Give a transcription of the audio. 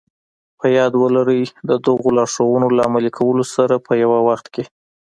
په ياد ولرئ د دغو لارښوونو له عملي کولو سره په يوه وخت کې.